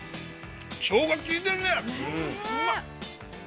◆しょうが効いてるね。